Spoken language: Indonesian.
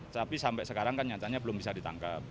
tapi sampai sekarang kan nyatanya belum bisa ditangkap